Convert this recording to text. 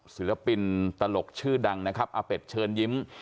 ศิลปินตลกชื่อดังนะครับอาเป็ดเชิญยิ้ม